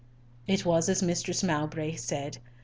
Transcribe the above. It was as Mistress Mowbray said.